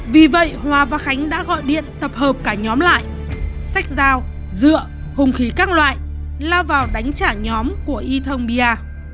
vì vậy hòa và khánh đã gọi điện tập hợp cả nhóm lại sách dao dựa hùng khí các loại lao vào đánh trả nhóm của y thông bia